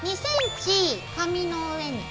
２ｃｍ紙の上に。